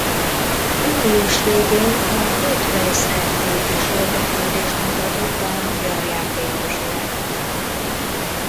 Július végén a Rot-Weiss Erfurt is érdeklődést mutatott a magyar játékos iránt.